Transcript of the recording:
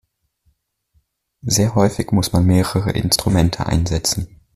Sehr häufig muss man mehrere Instrumente einsetzen.